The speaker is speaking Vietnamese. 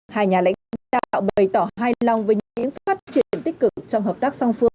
hai nhà lãnh đạo bày tỏ hài lòng với những phát triển tích cực trong hợp tác song phương